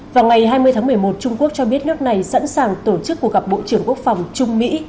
vào ngày hai mươi tháng một mươi một trung quốc cho biết nước này sẵn sàng tổ chức cuộc gặp bộ trưởng quốc phòng trung mỹ